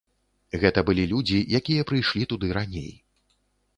Гэта былі людзі, якія прыйшлі туды раней.